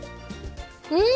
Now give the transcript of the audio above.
うん！